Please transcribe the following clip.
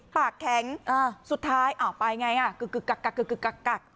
ปากแข็งอ้าวสุดท้ายอ้าวไปไงอ่ะกึกกึกกกกกกกกกกกก